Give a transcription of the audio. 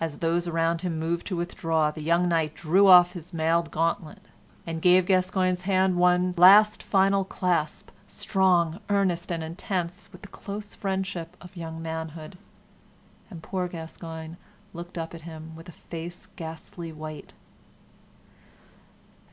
As those around him moved to withdraw, the young knight drew off his mailed gauntlet, and gave Gascoyne's hand one last final clasp, strong, earnest, and intense with the close friendship of young manhood, and poor Gascoyne looked up at him with a face ghastly white.